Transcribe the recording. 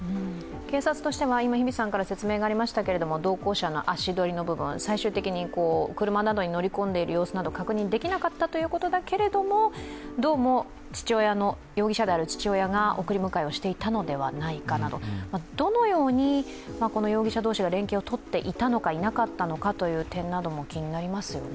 警察としては同行者の足取りの部分最終的に車などに乗り込んでいる様子は確認できなかったということだけれども、どうも容疑者である父親が送り迎えをしたのではないかと、どのように容疑者同士が連携をとっていたのかいなかったのかというところも気になりますよね。